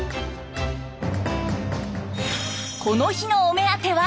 この日のお目当ては。